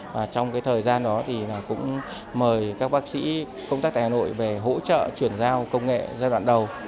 và trong cái thời gian đó thì cũng mời các bác sĩ công tác tại hà nội về hỗ trợ chuyển giao công nghệ giai đoạn đầu